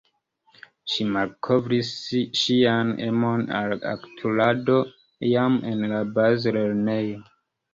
Ŝi malkovris ŝian emon al aktorado jam en la bazlernejo.